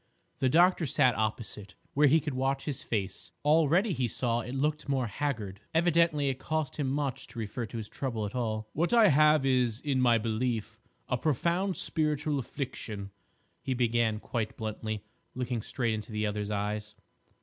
The doctor sat opposite, where he could watch his face. Already, he saw, it looked more haggard. Evidently it cost him much to refer to his trouble at all. "What I have is, in my belief, a profound spiritual affliction," he began quite bluntly, looking straight into the other's eyes.